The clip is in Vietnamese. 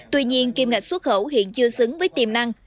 tuy nhiên kiêm ngạch xuất khẩu hiện chưa xứng với tiềm năng